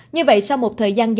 như vậy sau một thời gian dài